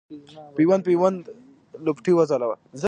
پیوند پیوند لوپټې وځلوه